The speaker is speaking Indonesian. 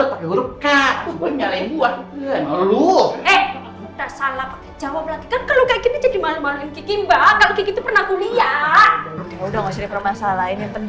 udah gak usah dipermasalahin